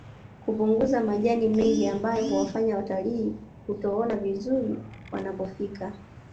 Hkupunguza majani mengi ambayo huwafanya watalii kutoona vizuri wanapofika